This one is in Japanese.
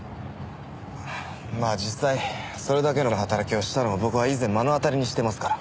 まあ実際それだけの働きをしたのを僕は以前目の当たりにしてますから。